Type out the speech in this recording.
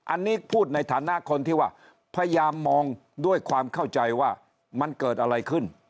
อันนี้พูดในฐานะคนที่ว่าพยายามมองด้วยความเข้าใจว่ามันเกิดอะไรขึ้น